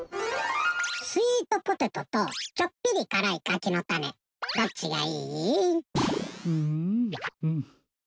スイートポテトとちょっぴり辛いかきのたねどっちがいい？んんん。